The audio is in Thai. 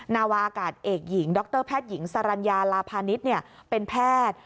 นาวาอากาศเอกหญิงดรแพทย์หญิงสรรญาลาพาณิชย์เป็นแพทย์